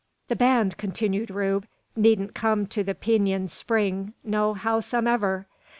"The band," continued Rube, "needn't come to the Peenyun spring no howsomever.